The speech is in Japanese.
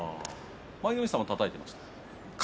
舞の海さんたたいてましたか？